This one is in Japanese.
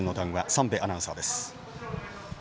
三瓶アナウンサーです。